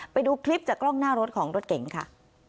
ไปดูคลิปจากกล้องหน้ารถของรถเก๋งค่ะ